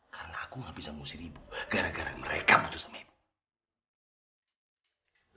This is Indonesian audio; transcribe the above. karena aku gak bisa musik ibu gara gara mereka butuh sama ibu